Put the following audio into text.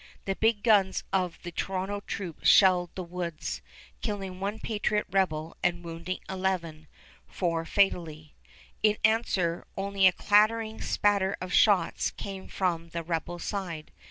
The big guns of the Toronto troops shelled the woods, killing one patriot rebel and wounding eleven, four fatally. In answer, only a clattering spatter of shots came from the rebel side.